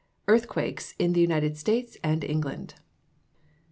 EARTHQUAKES IN THE UNITED STATES AND ENGLAND.